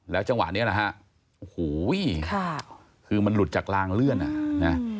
จังหวะนี้แหละฮะโอ้โหคือมันหลุดจากลางเลื่อนอ่ะนะ